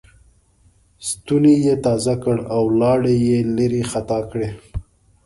ستونی یې تازه کړ او لاړې یې لېرې خطا کړې.